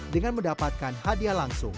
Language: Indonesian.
dengan mendapatkan hadiah langsung